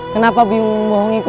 kenapa biung membohongiku